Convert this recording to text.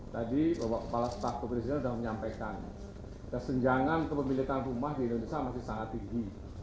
tadi bapak kepala staf kepresiden sudah menyampaikan kesenjangan kepemilikan rumah di indonesia masih sangat tinggi